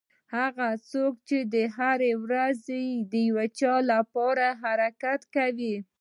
هغه څوک چې هره ورځ د یو څه لپاره حرکت کوي.